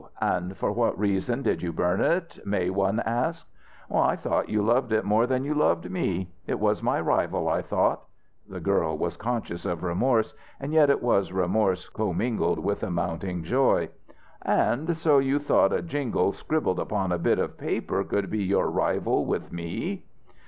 and for what reason did you burn it, may one ask?" "I thought you loved it more than you loved me. It was my rival, I thought " The girl was conscious of remorse, and yet it was remorse commingled with a mounting joy. "And so you thought a jingle scribbled upon a bit of paper could be your rival with me!"